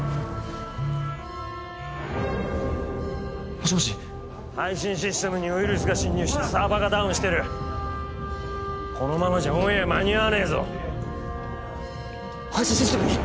もしもし配信システムにウイルスが侵入してサーバーがダウンしてるこのままじゃオンエア間に合わねえぞ配信システムに！？